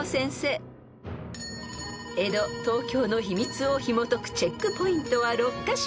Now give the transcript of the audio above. ［江戸・東京の秘密をひもとくチェックポイントは６カ所］